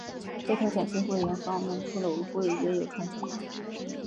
在挑选新会员方面骷髅会也有传统。